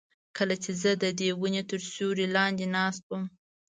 کله چې زه ددې ونې تر سیوري لاندې ناست وم.